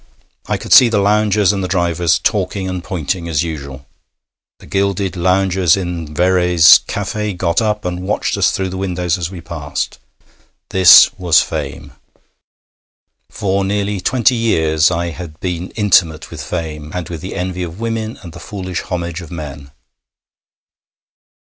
I could see the loungers and the drivers talking and pointing as usual. The gilded loungers in Verrey's café got up and watched us through the windows as we passed. This was fame. For nearly twenty years I had been intimate with fame, and with the envy of women and the foolish homage of men.